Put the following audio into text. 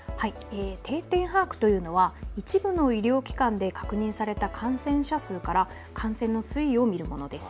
定点把握というのは一部の医療機関で確認された感染者数から感染の推移を見るものです。